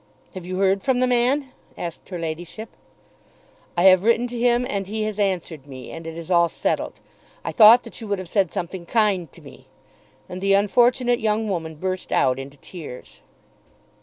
"Have you heard from the man?" asked her ladyship. "I have written to him, and he has answered me; and it is all settled. I thought that you would have said something kind to me." And the unfortunate young woman burst out into tears.